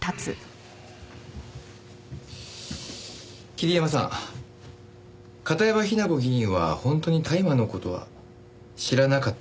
桐山さん片山雛子議員は本当に大麻の事は知らなかったんですよね？